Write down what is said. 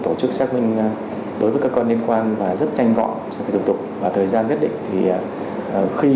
tổ chức xác minh đối với các con liên quan và rất nhanh gọn về thủ tục và thời gian quyết định khi